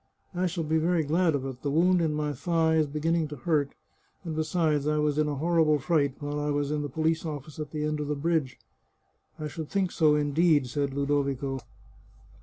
" I shall be very glad of it ; the wound in my thigh is beginning to hurt, and besides, I was in a horrible fright while I was in the police office at the end of the bridge." " I should think so indeed," said Ludovico.